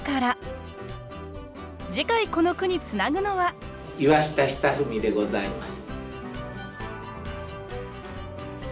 次回この句につなぐのは岩下尚史でございます。